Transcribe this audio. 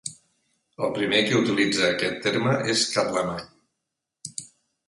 El primer que utilitza aquest terme és Carlemany.